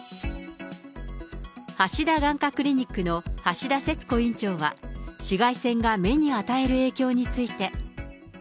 はしだ眼科クリニックの橋田節子院長は、紫外線が目に与える影響について。